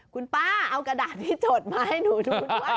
คุณป้าเอากระดาษที่จดมาให้หนูดูด้วย